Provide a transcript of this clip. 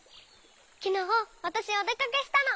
きのうわたしおでかけしたの！